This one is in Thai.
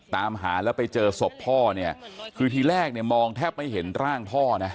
ตามหาแล้วไปเจอศพพ่อคือทีแรกมองแทบไม่เห็นร่างท่อ